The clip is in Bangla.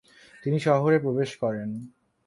তিনি শহরে প্রবেশ করেন।